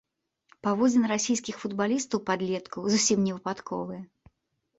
Паводзіны расійскіх футбалістаў-падлеткаў зусім не выпадковыя.